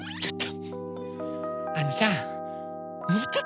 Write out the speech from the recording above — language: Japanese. ちょっと！